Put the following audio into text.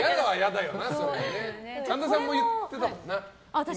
神田さんも言ってたもんな。